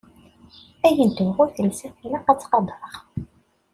Ayen tebɣu telsa-t ilaq ad tt-qadreɣ.